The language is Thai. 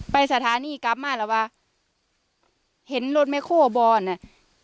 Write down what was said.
ไปสถานีกลับมาแล้ววะเห็นรถแม่โคบอลน่ะ